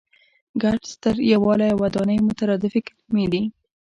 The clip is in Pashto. ګډ، ستر، یووالی او ودانۍ مترادفې کلمې دي.